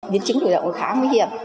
biến chứng thủy đậu khá nguy hiểm